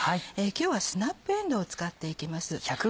今日はスナップえんどうを使って行きます。